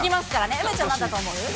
梅ちゃん、なんだと思う？